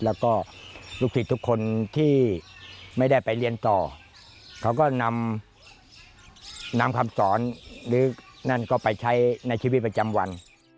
แล้วก็ลูกศิษย์ทุกคนที่ไม่ได้ไปเรียนต่อเขาก็นำคำสอนหรือนั่นก็ไปใช้ในชีวิตประจำวัน